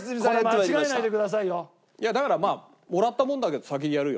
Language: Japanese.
いやだからまあもらったものだけど先にやるよ。